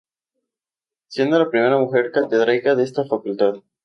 Siendo la primera mujer catedrática de esta Facultad.